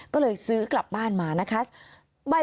ก็เลยซื้อกลับบ้านมานะคะ